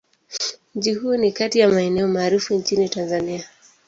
Mji huu ni kati ya maeneo maarufu nchini Tanzania.